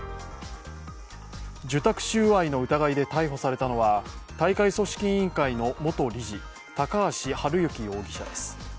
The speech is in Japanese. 受託収賄の疑いで逮捕されたのは大会組織委員会の元理事高橋治之容疑者です。